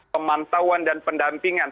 pemantauan dan pendampingan